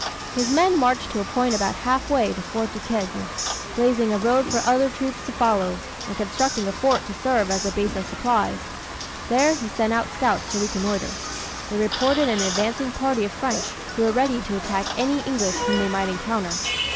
His men marched to a point about half way to Fort Duquesne, blazing a road for other troops to follow, and constructing a fort to serve as a base of supplies. There he sent out scouts to reconnoitre. They reported an advancing party of French who were ready to attack any English whom they might encounter.